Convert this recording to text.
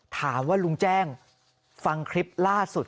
ถามว่าลุงแจ้งฟังคลิปล่าสุด